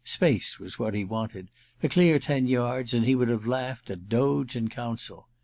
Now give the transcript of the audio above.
Space was what he wanted : a clear ten yards, and he would have laughed at Doge and Council.